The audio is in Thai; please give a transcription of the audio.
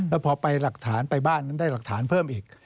แล้วพอไปหลักฐานไปบ้านนั้นได้หลักฐานเพิ่มอีก